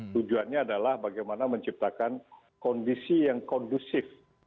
tujuannya adalah bagaimana menciptakan kondisi yang kondusif